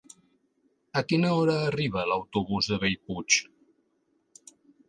A quina hora arriba l'autobús de Bellpuig?